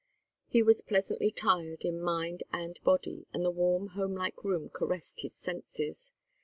He was pleasantly tired in mind and body, and the warm homelike room caressed his senses.